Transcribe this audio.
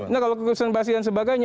nah kalau keputusan basi dan sebagainya